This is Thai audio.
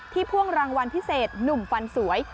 พ่วงรางวัลพิเศษหนุ่มฟันสวย